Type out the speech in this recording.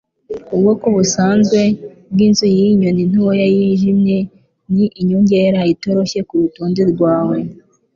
Ubwoko busanzwe bwinzu yiyi nyoni ntoya yijimye ni inyongera itoroshye kurutonde rwawe